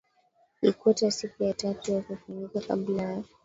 ikweta siku ya tatu na kufunika kabla ya